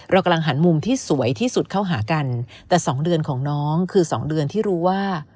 เรากำลังหันมุมที่สวยที่สุดเข้าหากันแต่สองเดือนของน้องคือสองเดือนที่รู้ว่า